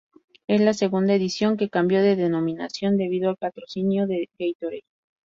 Es la segunda edición que cambió de denominación debido al patrocinio de Gatorade.